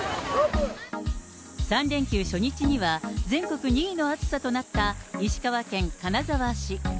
３連休初日には、全国２位の暑さとなった石川県金沢市。